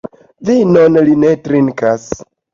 Vinon li ne trinkas.